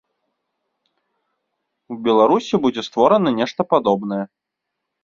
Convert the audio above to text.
Беларусі будзе створана нешта падобнае.